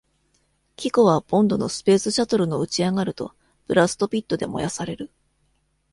キコはボンドのスペースシャトルの打ち上がると、ブラストピットで燃やされる。